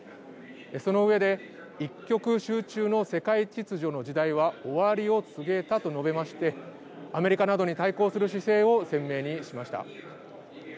その上で一極集中の世界秩序の時代は終わりを告げたと述べましてアメリカなどに対抗する姿勢を鮮明にしました。